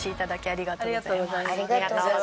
ありがとうございます。